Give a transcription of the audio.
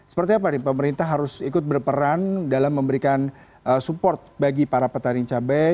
seperti apa pemerintah harus ikut berperan dalam memberikan support bagi para petani cabai